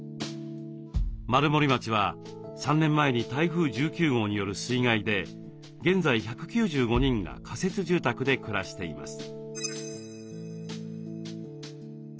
丸森町は３年前に台風１９号による水害で現在１９５人が仮設住宅で暮らしています。